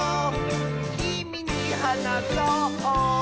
きみにはなそう！」